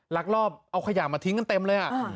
ลักลอบเอาขยะมาทิ้งกันเต็มเลย